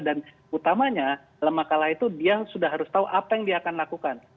dan utamanya dalam akal itu dia sudah harus tahu apa yang dia akan lakukan